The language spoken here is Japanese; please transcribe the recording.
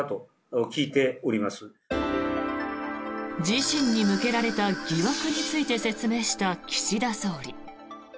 自身に向けられた疑惑について説明した岸田総理。